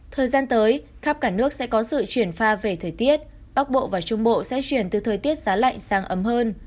thời gian tới khắp cả nước sẽ có sự chuyển pha về thời tiết bắc bộ và trung bộ sẽ chuyển từ thời tiết giá lạnh sang ấm hơn